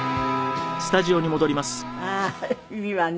ああーいいわね。